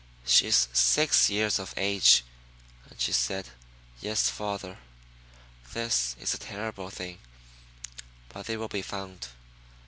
She is six years of age, and she said, "Yes, father." This is a terrible thing; but they will be found.